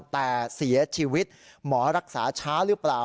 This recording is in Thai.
แต่เสียชีวิตหมอรักษาช้าหรือเปล่า